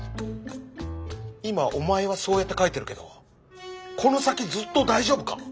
今おまえはそうやって描いてるけどこの先ずっと大丈夫か？